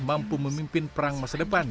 mampu memimpin perang masa depan